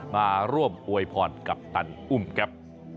มาร่วมอวยพรกัปตันอุ้มครับ